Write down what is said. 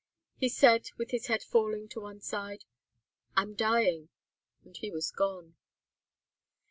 He said, with his head falling to one side, 'I'm dying,' and he was gone.